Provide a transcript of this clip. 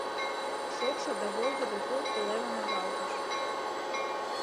Шокшо да волгыдо тул пӧлемым авалтыш.